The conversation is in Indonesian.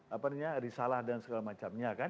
apa namanya risalah dan segala macamnya kan